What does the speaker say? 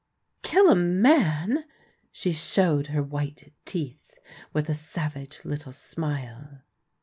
" Kill a man !" She showed her white teeth with a savage little smile.